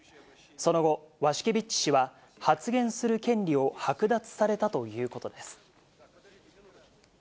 その後、ワシュケビッチ氏は、発言する権利を剥奪されたということです。